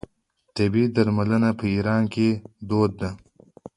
طبیعي درملنه په ایران کې دود ده.